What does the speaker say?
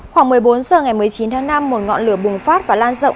khoảng một mươi bốn h ngày một mươi chín tháng năm một ngọn lửa bùng phát và lan rộng